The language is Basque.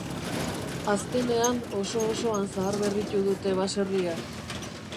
Azkenean oso-osoan zaharberritu dute baserria.